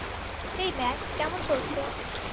হেই, Max, কেমন চলছে?